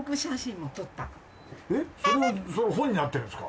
それは本になってるんですか？